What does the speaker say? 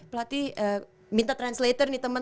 pelatih minta translator nih teman